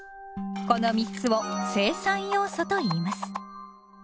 この３つを生産要素といいます。